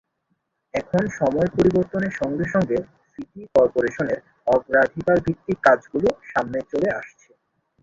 এখন সময় পরিবর্তনের সঙ্গে সঙ্গে সিটি করপোরেশনের অগ্রাধিকারভিত্তিক কাজগুলো সামনে চলে আসছে।